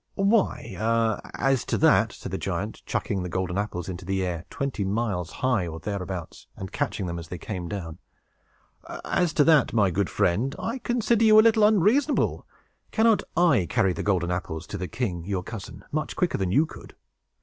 "Why, as to that," said the giant, chucking the golden apples into the air twenty miles high, or thereabouts, and catching them as they came down, "as to that, my good friend, I consider you a little unreasonable. Cannot I carry the golden apples to the king, your cousin, much quicker than you could?